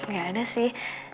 gak ada sih